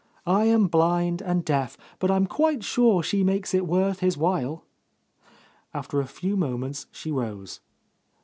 "I am blind and deaf, but I'm quite sure she makes it worth his while!" After a few moments she rose.